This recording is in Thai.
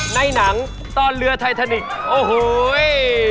ในหนังตอนเรือไททานิกส์โอ้โห